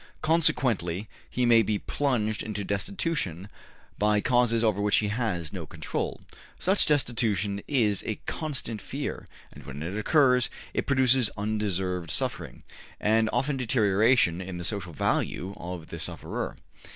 Consequently, he may be plunged into destitution by causes over which he has no control. Such destitution is a constant fear, and when it occurs it produces undeserved suffering, and often deterioration in the social value of the sufferer.